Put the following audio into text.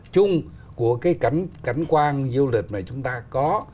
chung của cái cảnh cảnh quan du lịch mà chúng ta có